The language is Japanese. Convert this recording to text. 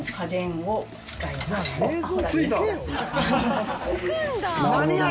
つくんだ！